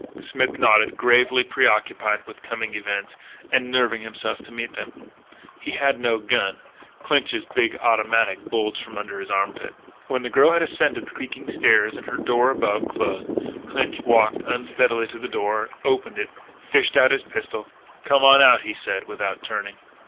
Smith nodded, gravely preoccupied with coming events, and nerving himself to meet them. He had no gun. Clinch's big automatic bulged under his armpit. When the girl had ascended the creaking stairs and her door, above, closed, Clinch walked unsteadily to the door, opened it, fished out his pistol. "Come on out," he said without turning.